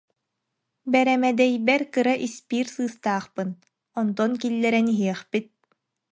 Бэрэмэдэйбэр кыра испиир сыыстаахпын, онтон киллэрэн иһиэхпит